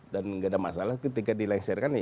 dan enggak ada masalah ketika dilengsarkan